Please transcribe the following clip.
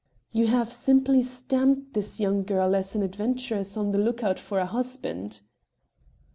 "You have simply stamped this young girl as an adventuress on the look out for a husband."